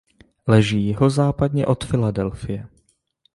Leží jihozápadně od Filadelfie.